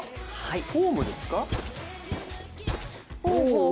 フォームですか？